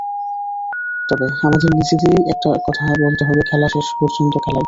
তবে আমাদের নিজেদেরই একটা কথা বলতে হবে, খেলা শেষ পর্যন্ত খেলাই।